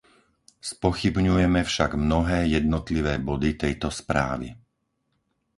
Spochybňujeme však mnohé jednotlivé body tejto správy.